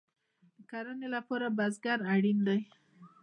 د کرنې لپاره بزګر اړین دی